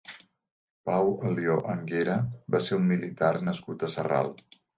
Pau Alió Anguera va ser un militar nascut a Sarral.